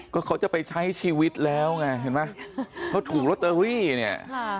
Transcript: ก็เขาจะไปใช้ชีวิตแล้วไงเห็นไหมเขาถูกลอตเตอรี่เนี่ย